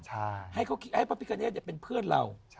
ให้พระพิธรเนตเป็นเพื่อนเรา